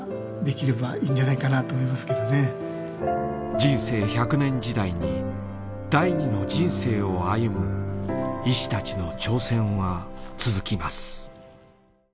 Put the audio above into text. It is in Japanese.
人生１００年時代に第二の人生を歩む医師たちの挑戦は続きます。